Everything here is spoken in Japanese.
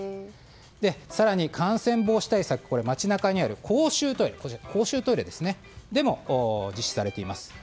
更に、感染防止対策街中にある公衆トイレでも実施されています。